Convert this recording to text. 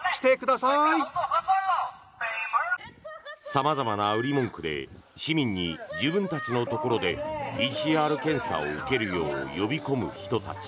様々な売り文句で市民に自分たちのところでＰＣＲ検査を受けるよう呼び込む人たち。